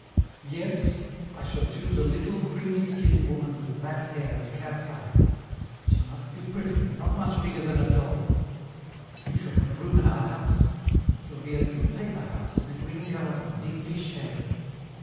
"Yes I shall choose a little, creamy skinned woman with black hair and cat's eyes. She must be pretty and not much bigger than a doll. You shall have a room in our house. It will be a little paper house, in a green garden, deeply shaded.